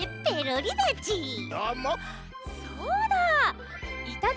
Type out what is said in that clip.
そうだ！